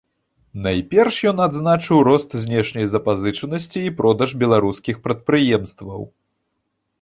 Найперш ён адзначыў рост знешняй запазычанасці і продаж беларускіх прадпрыемстваў.